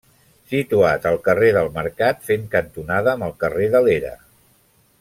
Situat al carrer del Mercat, fent cantonada amb el carrer de l'Era.